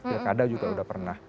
pilkada juga sudah pernah